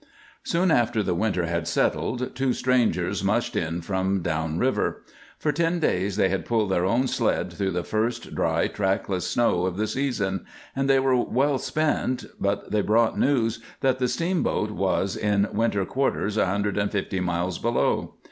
Soon after the winter had settled, two strangers "mushed" in from down river. For ten days they had pulled their own sled through the first dry, trackless snow of the season, and they were well spent, but they brought news that the steamboat was in winter quarters a hundred and fifty miles below.